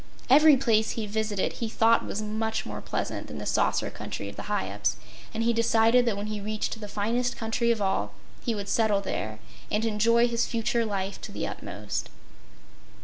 Every place he visited he thought was much more pleasant than the saucer country of the Hyups, and he decided that when he reached the finest country of all he would settle there and enjoy his future life to the utmost.